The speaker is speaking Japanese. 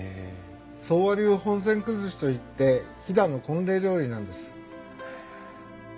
宗和流本膳崩しといって飛騨の婚礼料理なんです。